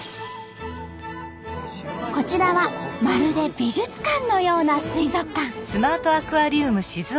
こちらはまるで美術館のような水族館。